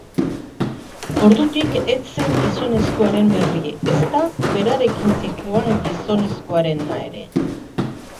Ordutik ez zen gizonezkoaren berri, ezta berarekin zihoan gizonekoarena ere.